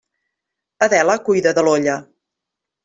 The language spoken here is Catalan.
Adela cuida de l'olla.